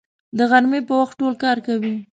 د غرمې په وخت ټول کار کوي